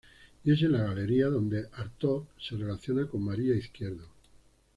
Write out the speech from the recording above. Y es en la Galería donde Artaud se relaciona con María Izquierdo.